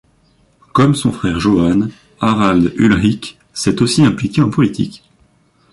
Comme son frère Johan, Harald Ulrik s'est aussi impliqué en politique.